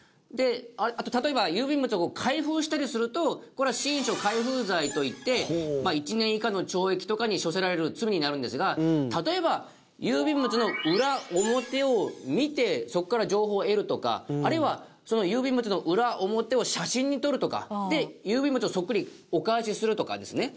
あと例えば郵便物を開封したりするとこれは信書開封罪といって１年以下の懲役とかに処せられる罪になるんですが例えば郵便物の裏表を見てそこから情報を得るとかあるいはその郵便物の裏表を写真に撮るとかで郵便物をそっくりお返しするとかですね